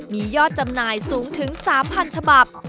มียอดจำหน่ายสูงถึง๓๐๐ฉบับ